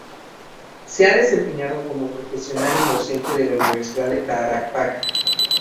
Se ha desempeñado como profesional y docente de la Universidad de Tarapacá.